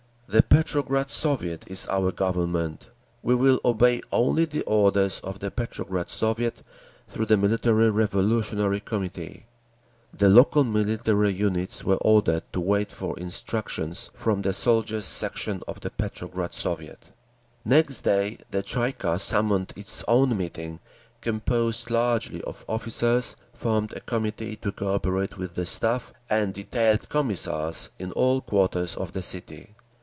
The Petrograd Soviet is our Government. We will obey only the orders of the Petrograd Soviet, through the Military Revolutionary Committee."_ The local military units were ordered to wait for instructions from the Soldiers' Section of the Petrograd Soviet. Next day the Tsay ee kah summoned its own meeting, composed largely of officers, formed a Committee to cooperate with the Staff, and detailed Commissars in all quarters of the city.